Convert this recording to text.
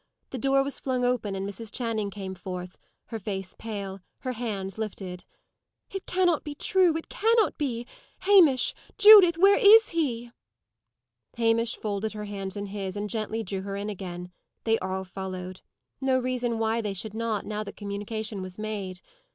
The door was flung open, and Mrs. Channing came forth, her face pale, her hands lifted. "It cannot be true! It cannot be! Hamish! Judith! Where is he?" Hamish folded her hands in his, and gently drew her in again. They all followed. No reason why they should not, now that the communication was made.